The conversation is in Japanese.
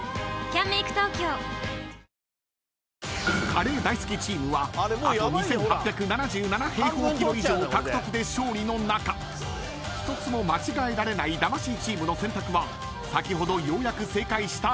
［カレー大好きチームはあと２，８７７平方ｋｍ以上獲得で勝利の中１つも間違えられない魂チームの選択は先ほどようやく正解した佐藤勝利］